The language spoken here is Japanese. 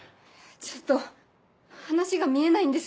ちょっと話が見えないんですけど。